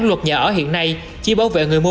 luật nhà ở hiện nay chỉ bảo vệ người mua